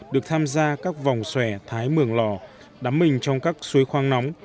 được tham gia các vòng xòe thái mường lò đắm mình trong các suối khoang nóng